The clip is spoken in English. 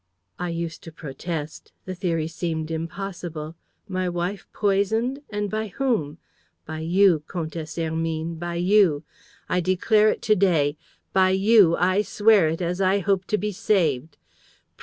I used to protest. The theory seemed impossible! My wife poisoned? And by whom? By you, Comtesse Hermine, by you! I declare it to day. By you! I swear it, as I hope to be saved.